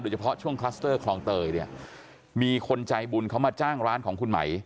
เฉพาะช่วงคลัสเตอร์คลองเตยเนี่ยมีคนใจบุญเขามาจ้างร้านของคุณไหม